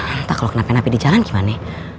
entah kalo kenapain api di jalan gimana